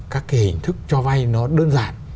các cái hình thức cho vai nó đơn giản